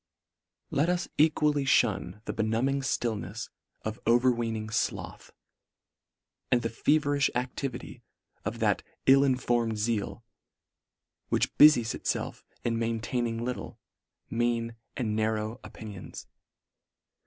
Let us equally fhun the benumbing ftill nefs of overweening floth, and the feverilh activity of that ill informed zeal, which bu ries itfelf in maintaining little, mean, and narrow opinions.